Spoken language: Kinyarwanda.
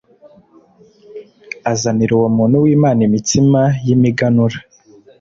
azanira uwo muntu w’ imana imitsima y’ imiganura